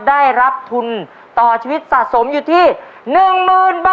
ได้รับทุนต่อชีวิตสะสมอยู่ที่๑๐๐๐บาท